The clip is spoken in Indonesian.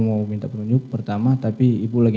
mau minta penunjuk pertama tapi ibu lagi